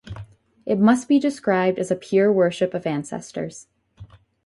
It must be described as a pure worship of ancestors.